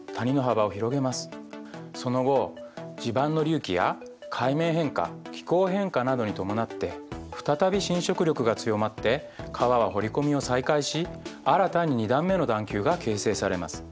その後地盤の隆起や海面変化気候変化などに伴って再び侵食力が強まって川は掘り込みを再開し新たに２段目の段丘が形成されます。